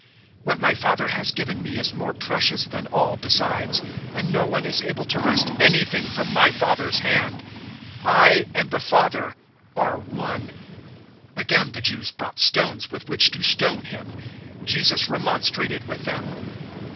010:029 What my Father has given me is more precious than all besides; and no one is able to wrest anything from my Father's hand. 010:030 I and the Father are one." 010:031 Again the Jews brought stones with which to stone Him. 010:032 Jesus remonstrated with them.